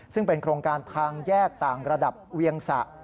ซึ่งเป็นโครงการทางแยกต่างระดับเวียงสะ